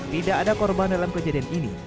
tidak ada korban dalam kejadian ini